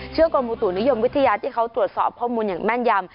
กรมอุตุนิยมวิทยาที่เขาตรวจสอบข้อมูลอย่างแม่นยำ